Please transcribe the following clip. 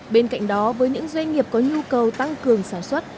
bên cạnh đó với những doanh nghiệp có nhu cầu tăng cường sản xuất